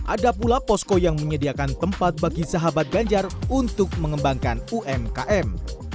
ada pula posko yang menyediakan tempat bagi sahabat ganjar untuk mengembangkan umkm